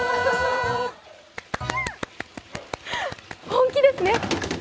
本気ですね！